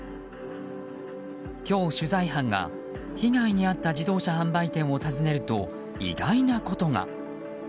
今日、取材班が被害に遭った自動車販売店を訪ねると意外なことが。